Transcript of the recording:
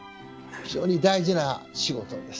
非常に大事な仕事です。